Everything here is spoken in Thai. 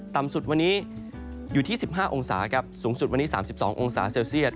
ต่ำสุดวันนี้อยู่ที่๑๕องศาครับสูงสุดวันนี้๓๒องศาเซลเซียต